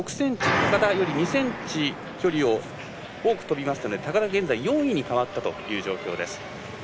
高田より２ｃｍ距離を多く跳びましたので高田、現在４位に変わったという状況です。